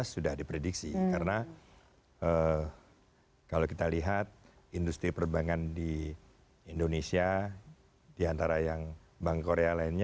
sudah diprediksi karena kalau kita lihat industri perbankan di indonesia diantara yang bank korea lainnya